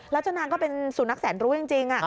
แล้วเจ้านางก็เป็นสุนัขแสนรู้จริง